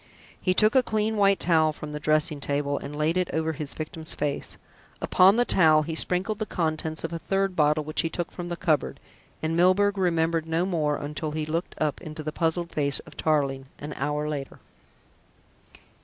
He took a clean white towel from the dressing table and laid it over his victim's face. Upon the towel he sprinkled the contents of a third bottle which he took from the cupboard, and Milburgh remembered no more until he looked up into the puzzled face of Tarling an hour later.